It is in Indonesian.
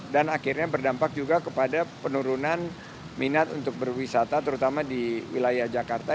dan akhirnya berdampak juga kepada penurunan minat untuk berwisata terutama di wilayah jakarta